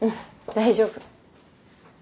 大丈夫。